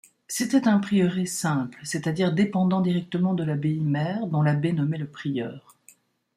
C'était un prieuré simple, c'est-à-dire dépendant directement de l'abbaye-mère dont l'abbé nommait le prieur.